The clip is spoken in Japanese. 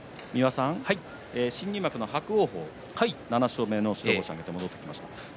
新入幕の伯桜鵬７勝目の白星を挙げて戻ってきました。